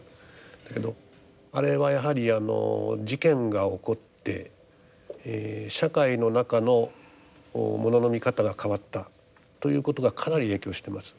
だけどあれはやはりあの事件が起こって社会の中の物の見方が変わったということがかなり影響してます。